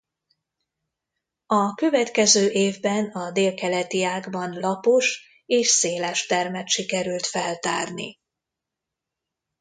A következő évben a Délkeleti-ágban lapos és széles termet sikerült feltárni.